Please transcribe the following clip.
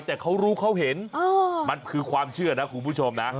แต่เขารู้เขาเห็นมันคือความเชื่อนะคุณผู้ชมนะ